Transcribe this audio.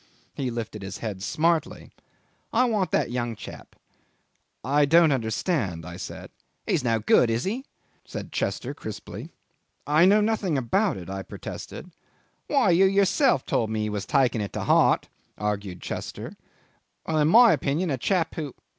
He lifted his head smartly "I want that young chap." "I don't understand," I said. "He's no good, is he?" said Chester crisply. "I know nothing about it," I protested. "Why, you told me yourself he was taking it to heart," argued Chester. "Well, in my opinion a chap who